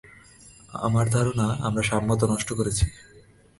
আমার ধারণা আমরা সাম্যতা নষ্ট করেছি।